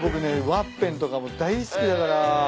ワッペンとかも大好きだから。